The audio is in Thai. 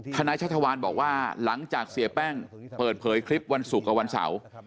นายชัชวานบอกว่าหลังจากเสียแป้งเปิดเผยคลิปวันศุกร์กับวันเสาร์